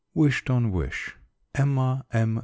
WISH TON WISH. EMMA M.